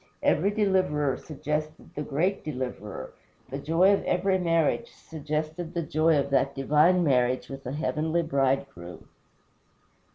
Every deliverer suggested the greater Deliverer; the joy of every marriage suggested the joy of that divine marriage with a heavenly bridegroom.